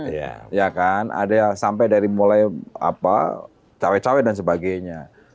iya kan ada yang sampai mulai dari apa cewek cewek dan sebagainya